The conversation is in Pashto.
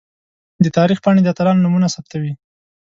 د تاریخ پاڼې د اتلانو نومونه ثبتوي.